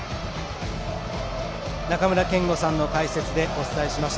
中村憲剛さんの解説でお伝えしました。